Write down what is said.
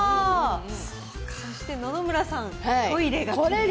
そして野々村さん、トイレがきれい。